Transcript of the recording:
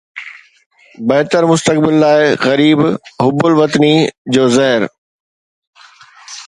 بهتر مستقبل لاءِ غريب حب الوطني جو زهر